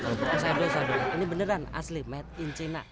usah duka ini beneran asli made in china